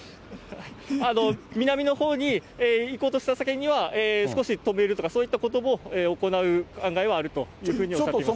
南のほうに行こうとした際には少し止めるとか、そういったことも行う考えはあるというふうにおっしゃっていまし